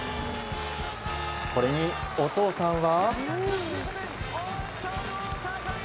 これにお父さんは。